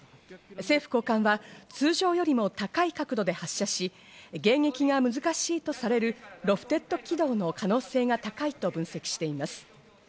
政府高官は通常よりも高い角度で発射し、迎撃が難しいとされるロフテッド軌道の可能性が高いと分析しています。